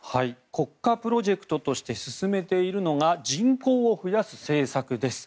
国家プロジェクトとして進めているのが人口を増やす政策です。